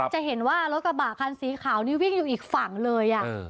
จะเห็นว่ารถกระบะคันสีขาวนี่วิ่งอยู่อีกฝั่งเลย